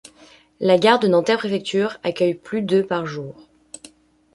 La gare de Nanterre-Préfecture accueille plus de par jour.